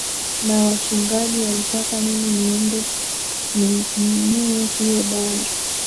na wachungaji walitaka mimi niende ni nunue hiyo dawa